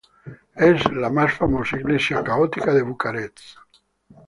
Es la más famosa iglesia católica de Bucarest.